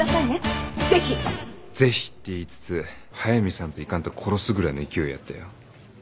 「ぜひ」って言いつつ速見さんと行かんと殺すぐらいの勢いやったよ。